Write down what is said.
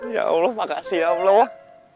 ya allah makasih ya allah lah